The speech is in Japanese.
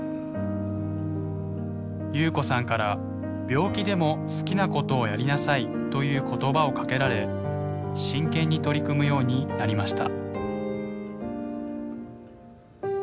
夕子さんから「病気でも好きなことをやりなさい」という言葉をかけられ真剣に取り組むようになりました。